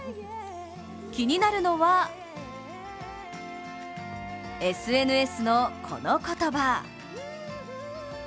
気になるのはＳＮＳのこの言葉。